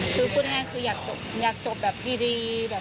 คือพูดง่ายคืออยากจบแบบดีแบบ